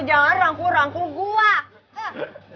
jangan rangkul rangkul gue